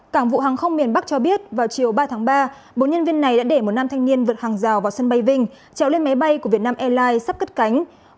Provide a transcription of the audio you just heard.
cảng vụ hàng không miền bắc cho biết vào chiều ba tháng ba bốn nhân viên này đã để một nam thanh niên vượt hàng rào vào sân bay vinh trèo lên máy bay của vietnam airlines sắp cất cánh